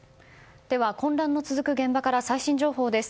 では混乱の続く現場から最新情報です。